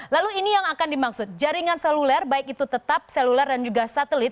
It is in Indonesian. lalu ini yang akan dimaksud jaringan seluler baik itu tetap seluler dan juga satelit